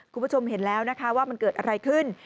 คุณผู้ชมเห็นแล้วนะคะว่ามันเกิดอะไรขึ้น